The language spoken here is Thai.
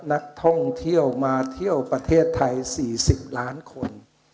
นักท่องเที่ยวมาเที่ยวประเทศไทย๔๐ล้านคน